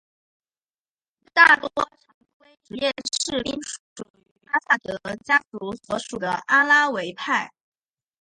大多常规职业士兵属于阿萨德家族所属的阿拉维派。